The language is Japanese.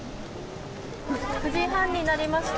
９時半になりました。